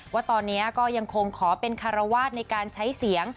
ว่าตอนนี้ก็ยังคงขอเป็นคารวาสในการใช้เสียง